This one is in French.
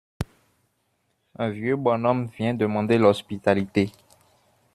Un vieux bonhomme vient demander l'hospitalité.